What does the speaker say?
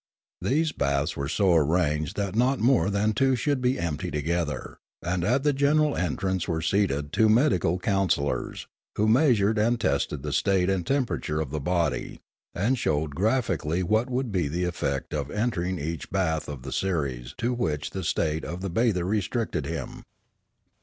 These baths were so arranged that not more than two should be empty together, and at the general entrance were seated two medical counsellors, who measured and tested the state and temperature of the body, and showed graphically what would be the effect of enter ing each bath of the series to which the state of the bather restricted him.